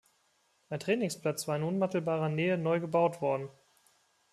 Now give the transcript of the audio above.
Ein Trainingsplatz war in unmittelbarer Nähe neu gebaut worden.